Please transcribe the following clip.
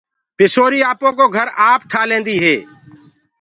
مڪڙيٚ آپو ڪو گھر آپ تيآر ڪرليندي هي۔